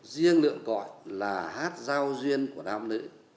riêng lượn cõi là hát giao duyên của đám nữ